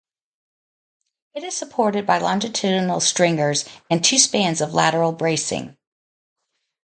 It is supported by longitudinal stringers and two spans of lateral bracing.